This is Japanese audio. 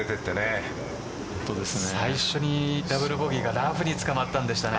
最初にダブルボギーがラフにつかまったんでしたね。